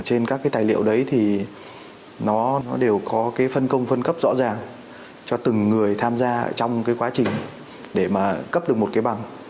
trên các cái tài liệu đấy thì nó đều có cái phân công phân cấp rõ ràng cho từng người tham gia trong cái quá trình để mà cấp được một cái bằng